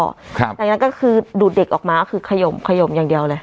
จากนั้นก็คือดูดเด็กออกมาก็คือขยมขยมอย่างเดียวเลย